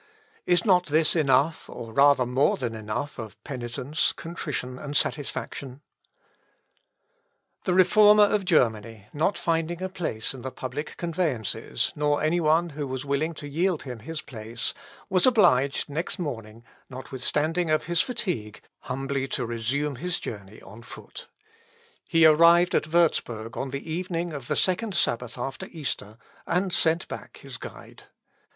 Is not this enough, or rather more than enough of penitence, contrition, and satisfaction?" Ibid., p. 105. Ibid., p. 104. Ibid., p. 106. The Reformer of Germany, not finding a place in the public conveyances, nor any one who was willing to yield him his place, was obliged next morning, notwithstanding of his fatigue, humbly to resume his journey on foot. He arrived at Wurzburg on the evening of the second Sabbath after Easter, and sent back his guide.